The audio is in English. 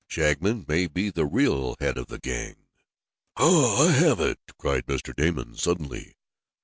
Shagmon may be the real head of the gang." "Ha! I have it!" cried Mr. Damon suddenly.